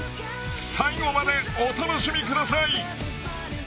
［最後までお楽しみください］